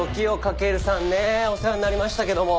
お世話になりましたけども。